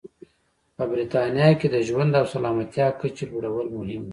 په برېټانیا کې د ژوند او سلامتیا کچې لوړول مهم و.